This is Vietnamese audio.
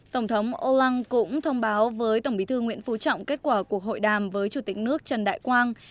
tổng thống olan cũng thông báo với tổng bí thư nguyễn phú trọng kết quả cuộc hội đàm với chủ tịch nước trần đại quang